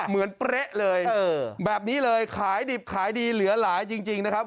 เหมือนเปร๊ะเลยแบบนี้เลยขายดีขายดีเหลือหลายจริงจริงนะครับ